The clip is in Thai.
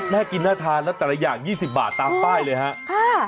น่ากินน่าทานแล้วแต่ละอย่าง๒๐บาทตามป้ายเลยครับ